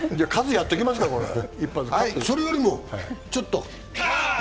それよりも、ちょっと。